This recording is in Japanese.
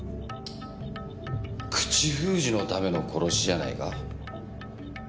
口封じのための殺しじゃないか？